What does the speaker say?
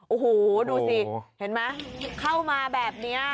โอ้โหดูสิเห็นไหมเข้ามาแบบนี้